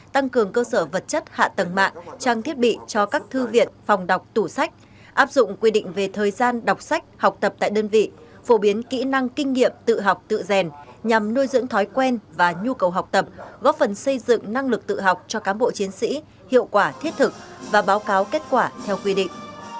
tăng cường cơ sở vật chất hạ tầng mạng trang thiết bị cho các thư viện phòng đọc tủ sách áp dụng quy định về thời gian đọc sách học tập tại đơn vị phổ biến kỹ năng kinh nghiệm tự học tự rèn nhằm nuôi dưỡng thói quen và nhu cầu học tập góp phần xây dựng năng lực tự học cho cám bộ chiến sĩ hiệu quả thiết thực và báo cáo kết quả theo quy định